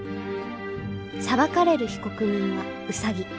裁かれる被告人はウサギ。